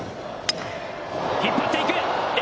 引っ張っていく。